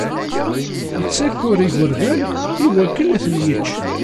Ittaker igerdan i wakken ad ten-yečč.